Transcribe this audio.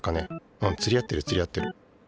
うんつり合ってるつり合ってる。